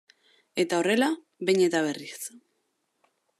Eta horrela behin eta berriz.